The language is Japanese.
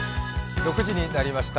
６時になりました。